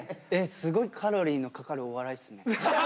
すごいカロリーのかかるお笑いっすね。